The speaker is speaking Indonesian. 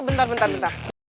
bentar bentar bentar